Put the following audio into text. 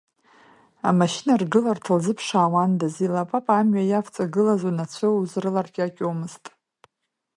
Амашьына ргыларҭа лзыԥшаауандаз, еилапапа амҩа иавҵагылаз унацәы узрыларкьакьомызт.